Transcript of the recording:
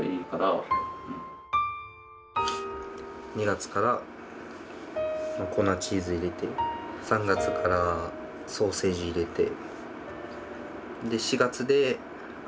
２月から粉チーズ入れて３月からソーセージ入れて。